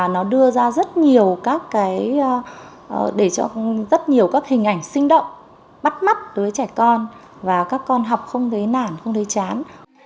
nó đưa ra rất nhiều các hình ảnh sinh động bắt mắt với trẻ con và các con học không thấy nản không thấy chán